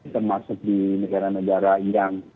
termasuk di negara negara yang